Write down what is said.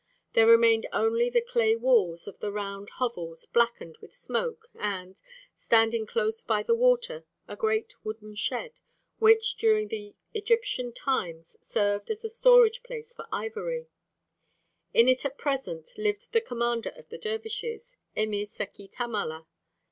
There remained only the clay walls of the round hovels, blackened with smoke, and, standing close by the water, a great wooden shed, which during the Egyptian times served as a storage place for ivory; in it at present lived the commander of the dervishes, Emir Seki Tamala.